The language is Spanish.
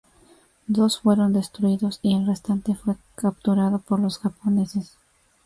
Dos fueron destruidos, y el restante, fue capturado por los japoneses.